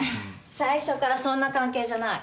最初からそんな関係じゃない。